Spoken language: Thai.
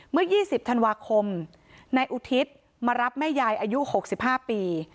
เมื่อ๒๐ธันวาคมนายอุทิศมารับแม่ยายอายุ๖๕ปี